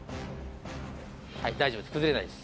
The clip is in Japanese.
はい大丈夫です。